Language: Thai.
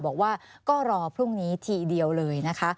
บอกว่าก็รอพรุ่งนี้ทีเดียวเลยนะคะ